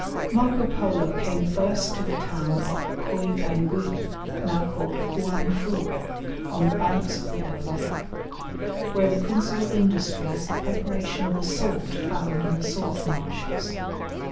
Marco Polo came first to the town of Coigangui, now called Hoang fou, on the banks of the Yellow River, where the principal industry is the preparation of the salt found in the salt marshes.